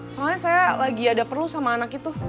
soalnya saya lagi ada perlu sama anak itu